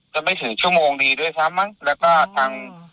ก็ไม่ถึงชั่วโมงดีด้วยซ้ำมั้งแล้วก็ทาง